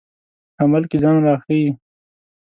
عمل کې ځان راښيي.